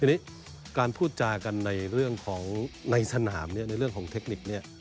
ทีนี้การพูดจากันในเรื่องของในสนามเนี่ยในเรื่องของเทคนิคเนี่ย